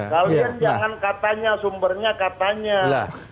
kalian jangan katanya sumbernya katanya